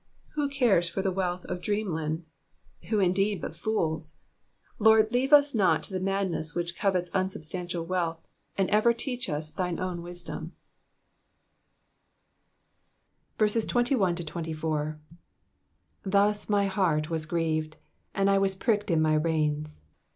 Who cares for the wealth of dream land? Who indeed but fools ? Lord, leave us not to the madness which covets unsubstan tial wealth, and ever teach us thine own true wisdom. 21 Thus my heart was grieved, and I was pricked in my reins.